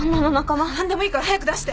何でもいいから早く出して。